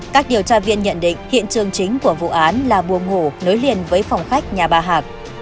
các điều tra viên nhận định hiện trường chính của vụ án là buồng ngủ nối liền với phòng khách nhà bà hạc